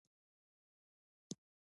پروژه ښار بدلوي.